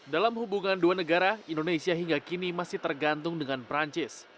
dalam hubungan dua negara indonesia hingga kini masih tergantung dengan perancis